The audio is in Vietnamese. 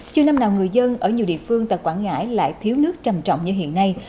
chưa năm nào người dân ở nhiều địa phương tại quảng ngãi lại thiếu nước trầm trọng như hiện nay